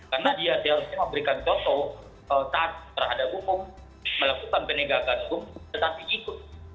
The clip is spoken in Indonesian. karena dia seharusnya memberikan contoh saat terhadap hukum melakukan penegakan hukum tetapi ikut